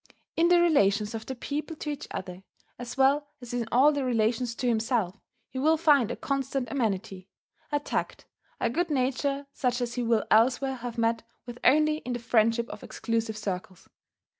In the relations of the people to each other, as well as in all their relations to himself, he will find a constant amenity, a tact, a good nature such as he will elsewhere have met with only in the friendship of exclusive circles.